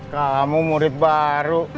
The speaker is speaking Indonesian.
kamu murid baru